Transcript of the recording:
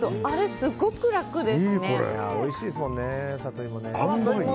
すごく楽ですね。